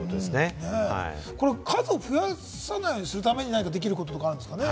これ、数を増やさないようにするために何かできることとか、あるんですかね？